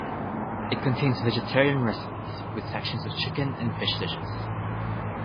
It contains vegetarian recipes with sections of chicken and fish dishes.